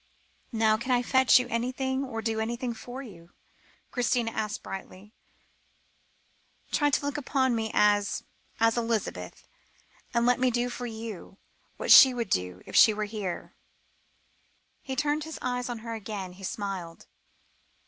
"Now, can I fetch you anything, or do anything for you?" Christina asked brightly; "try to look upon me as as Elizabeth, and let me do for you what she would do if she were here." His eyes turned to her again; he smiled.